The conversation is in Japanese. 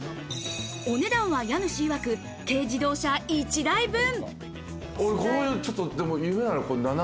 お値段は家主いわく軽自動車１台分。